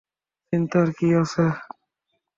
চিন্তার কী আছে?